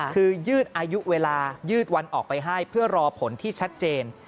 คือยืดอายุเวลายืดวันออกไปให้เพื่อรอผลที่ชัดเจน